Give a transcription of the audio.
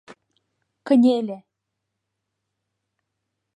— Кынеле.